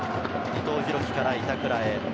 伊藤洋輝から板倉へ。